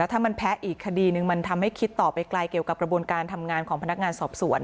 ถ้ามันแพ้อีกคดีนึงมันทำให้คิดต่อไปไกลเกี่ยวกับกระบวนการทำงานของพนักงานสอบสวน